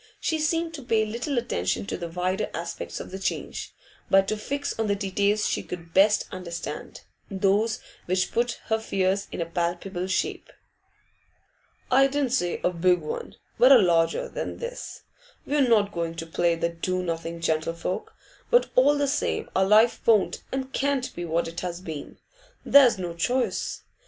She seemed to pay little attention to the wider aspects of the change, but to fix on the details she could best understand, those which put her fears in palpable shape. 'I didn't say a big one, but a larger than this. We're not going to play the do nothing gentlefolk; but all the same our life won't and can't be what it has been. There's no choice.